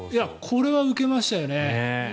これはウケましたよね。